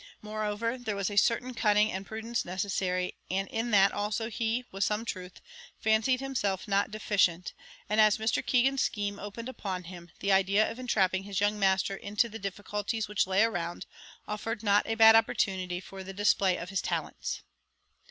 Moreover, there was a certain cunning and prudence necessary, and in that also he, with some truth, fancied himself not deficient; and as Mr. Keegan's scheme opened upon him, the idea of entrapping his young master into the difficulties which lay around, offered not a bad opportunity for the display of his talents.